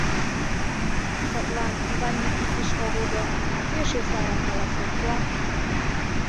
Садлан Иван Никитыч огыл гын, кӧ эше сайрак каласен пуа?..